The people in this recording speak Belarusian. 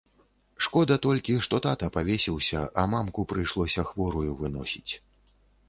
Шкода толькі, што тата павесіўся, а мамку прыйшлося хворую выносіць.